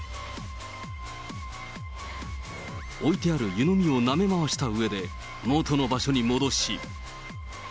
置いてある湯飲みをなめ回したうえで元の場所に戻し。